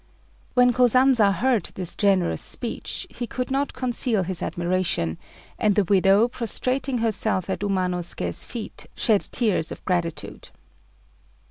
When Kosanza heard this generous speech, he could not conceal his admiration; and the widow, prostrating herself at Umanosuké's feet, shed tears of gratitude.